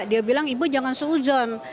dia bilang ibu jangan suuzon